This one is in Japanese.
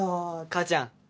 母ちゃん。